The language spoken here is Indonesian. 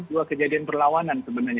dua kejadian perlawanan sebenarnya